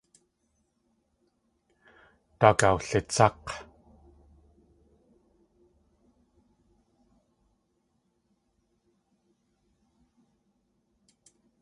Daak awlitsák̲.